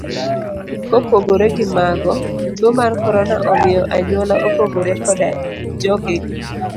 Kopogore gi mago, tuo mar korona omiyo anyuola opogore koda jogegi.